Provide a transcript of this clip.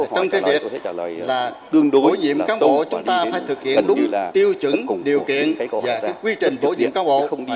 trong việc đối nhiệm cán bộ chúng ta phải thực hiện đúng tiêu chứng điều kiện và quy trình bổ nhiệm cán bộ